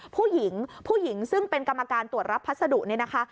ผู้หญิงผู้หญิงซึ่งเป็นกรรมการตรวจรับพัสดุเนี่ยนะคะ